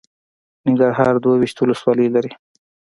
ننګرهار دوه ویشت ولسوالۍ لري.